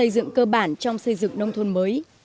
dựng cơ bản trong xây dựng nông thôn mới